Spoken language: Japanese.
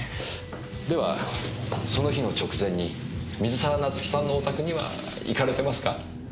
ではその日の直前に水沢夏樹さんのお宅には行かれてますか？